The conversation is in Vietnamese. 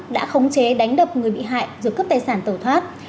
đã khống chế đánh đập người bị hại rồi cướp tài sản tẩu thoát